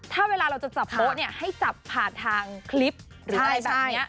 ถ้าเวลาเราจะจับโป๊ะเนี่ยให้จับผ่านทางคลิปหรืออะไรแบบนี้